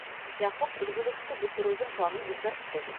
Яҡуп «өлгө»лөктө бөтөрөүҙең планын үҙгәртте.